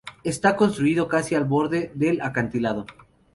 Está construido casi al borde del acantilado.